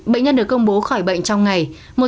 bệnh nhân được công bố khỏi bệnh trong ngày